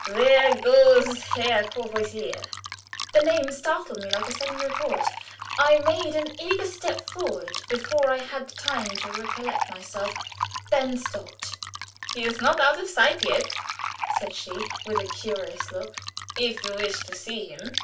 _ there goes Herr Courvoisier!" The name startled me like a sudden report. I made an eager step forward before I had time to recollect myself then stopped. "He is not out of sight yet," said she, with a curious look, "if you wish to see him."